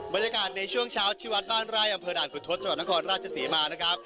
บรรยากาศในช่วงเช้าที่วัดบ้านไร่อำเภอด่านกุศจังหวัดนครราชศรีมานะครับ